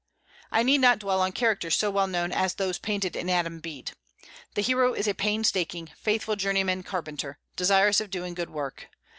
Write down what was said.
I need not dwell on characters so well known as those painted in "Adam Bede." The hero is a painstaking, faithful journeyman carpenter, desirous of doing good work.